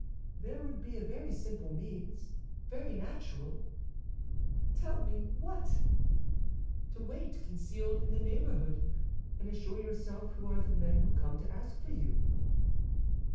"There would be a very simple means, very natural—" "Tell me what!" "To wait, concealed in the neighborhood, and assure yourself who are the men who come to ask for you."